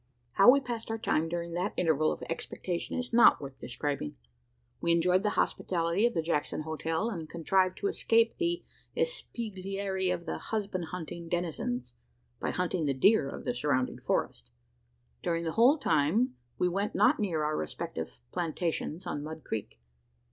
How we passed our time during that interval of expectation is not worth describing. We enjoyed the hospitality of the Jackson hotel; and contrived to escape the espieglerie of its husband hunting denizens, by hunting the deer of the surrounding forest. During the whole time, we went not near our respective "plantations" on Mud Creek.